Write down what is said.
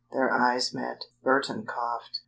Their eyes met. Burton coughed.